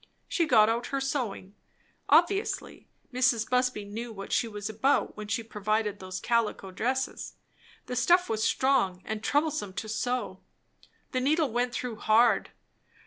She got out her sewing; obviously, Mrs. Busby knew what she was about when she provided those calico dresses. The stuff was strong and troublesome to sew; the needle went through hard.